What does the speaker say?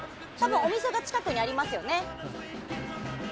お店が近くにありますよね？